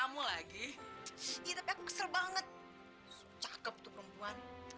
pasti aku berikan